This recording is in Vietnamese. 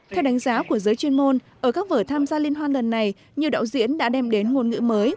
theo đánh giá của giới chuyên môn ở các vở tham gia liên hoan lần này nhiều đạo diễn đã đem đến ngôn ngữ mới